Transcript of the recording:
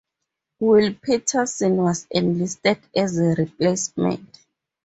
Will Patterson was enlisted as a replacement.